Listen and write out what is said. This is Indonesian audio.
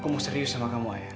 aku mau serius sama kamu ayah